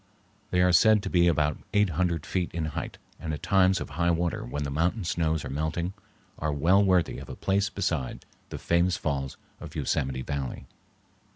They are said to be about eight hundred feet in height and, at times of high water when the mountain snows are melting, are well worthy of a place beside the famous falls of Yosemite Valley.